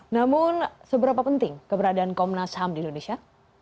namun seberapa penting keberadaan komnas ham di indonesia